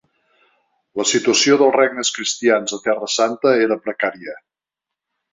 La situació dels regnes cristians a Terra Santa era precària.